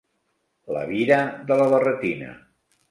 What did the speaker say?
La vira de la barretina.